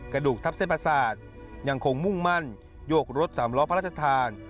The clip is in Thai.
กระดูกทับเส้นประสาทยังคงมุ่งมั่นโยกรถสามล้อพระราชทาน